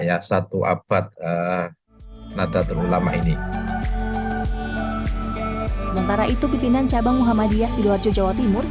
ya satu abad nadatul ulama ini sementara itu pimpinan cabang muhammadiyah sidoarjo jawa timur